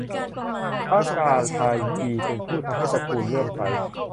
พระกาฬทายี เป็นผู้ทำให้ตระกูลเลื่อมใส